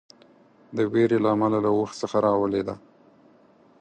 د وېرې له امله له اوښ څخه راولېده.